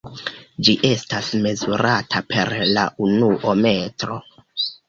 Ĝi estas mezurata per la unuo metro.